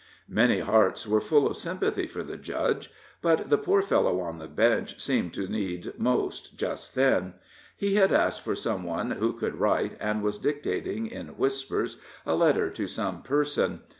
Many hearts were full of sympathy for the Judge; but the poor fellow on the bench seemed to need most just then. He had asked for some one who could write, and was dictating, in whispers, a letter to some person.